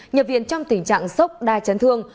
nhập viện trong tình trạng sốc đa chấn thương